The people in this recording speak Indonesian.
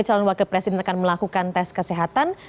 calon wakil presiden akan melakukan tes kesehatan